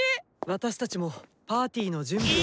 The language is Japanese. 私たちもパーティーの準備を。